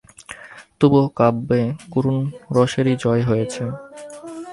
তবুও কাব্যে করুণ রসেরই জয় হয়েছে।